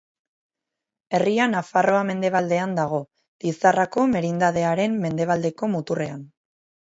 Herria Nafarroa mendebaldean dago, Lizarrako merindadearen mendebaldeko muturrean.